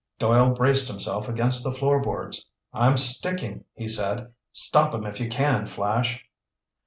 Doyle braced himself against the floor boards. "I'm sticking," he said. "Stop 'em if you can, Flash!"